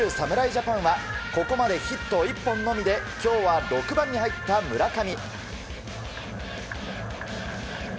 ジャパンはここまでヒット１本のみで今日は６番に入った村上。